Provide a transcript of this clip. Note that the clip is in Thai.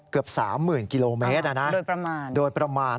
เกือบ๓๐๐๐๐กิโลเมตรโดยประมาณ